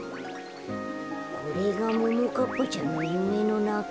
これがももかっぱちゃんのゆめのなか？